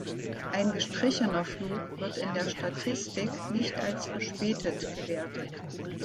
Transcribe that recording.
Ein gestrichener Flug wird in der Statistik nicht als verspätet gewertet.